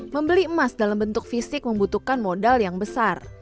membeli emas dalam bentuk fisik membutuhkan modal yang besar